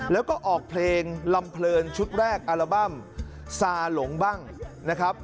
แล้วก็ออกเพลงลำเพลินชุดแรกอัลบั้มซาหลงบ้างนะครับ